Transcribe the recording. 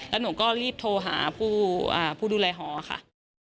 แล้วหนูก็รีบโทรหาผู้ดูแลหอค่ะ